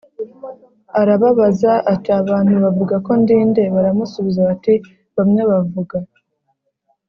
arababaza ati abantu bavuga ko ndi nde Baramusubiza bati bamwe bavuga